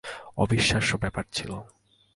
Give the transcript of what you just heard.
অবিশ্বাস্য ব্যাপার ছিল।